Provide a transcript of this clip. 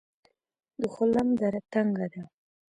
د خلم دره تنګه ده